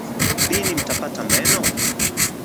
Lini mtapata meno?